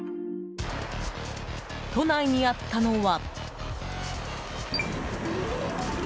都内にあったのは。